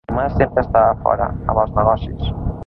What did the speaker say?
Tomàs sempre estava fora, amb els negocis.